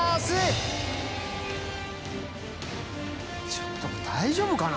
ちょっとこれ大丈夫かな？